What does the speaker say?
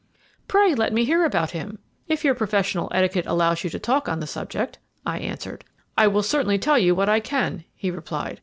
"Pray let me hear about him, if your professional etiquette allows you to talk on the subject," I answered. "I will certainly tell you what I can," he replied.